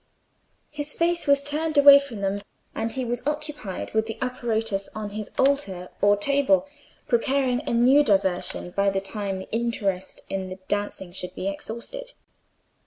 His face was turned away from them, and he was occupied with the apparatus on his altar or table, preparing a new diversion by the time the interest in the dancing should be exhausted.